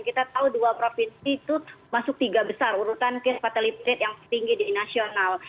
kita tahu dua provinsi itu masuk tiga besar urutan case fatality yang tertinggi di nasional